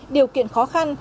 điều kiện khó khăn